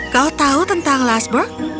kau tahu tentang lasburg